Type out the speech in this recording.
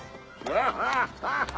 アハハハ！